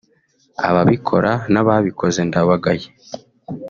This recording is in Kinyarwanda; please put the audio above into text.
ababikora n’ababikoze ndabagaye